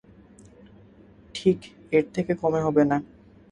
ঠিক, এর থেকে কমে হবে না।